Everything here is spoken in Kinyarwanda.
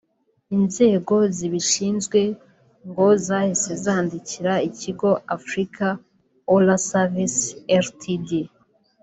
inzego zibishinzwe ngo zahise zandikira ikigo Africa olleh Services ltd